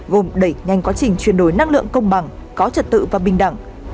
gồm đẩy nhanh quá trình chuyển đổi năng lượng công bằng có trật tự và bình đẳng